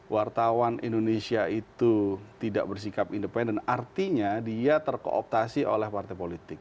wartawan indonesia itu tidak bersikap independen artinya dia terkooptasi oleh partai politik